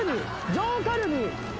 上カルビ。